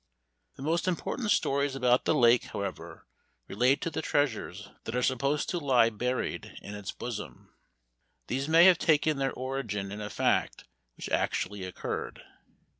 The most important stories about the lake, however, relate to the treasures that are supposed to lie buried in its bosom. These may have taken their origin in a fact which actually occurred.